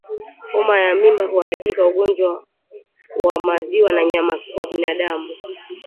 Homa ya Mimba kuharibika Ugonjwa wa Maziwa na Nyama kwa Binadamu